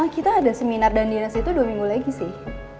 kita ada seminar dan dinas itu dua minggu lagi sih